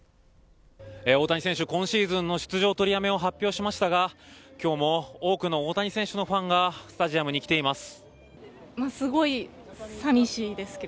大谷選手、今シーズンの出場取りやめを発表しましたが今日も多くの大谷選手のファンがスタジアムに来ています。